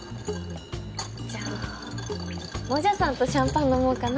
じゃあモジャさんとシャンパン飲もうかな。